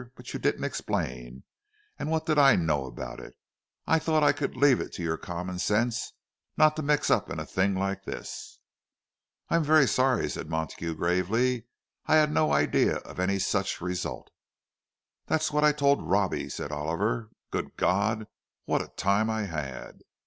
"But you didn't explain—and what did I know about it? I thought I could leave it to your common sense not to mix up in a thing like this." "I'm very sorry," said Montague, gravely. "I had no idea of any such result." "That's what I told Robbie," said Oliver. "Good God, what a time I had!"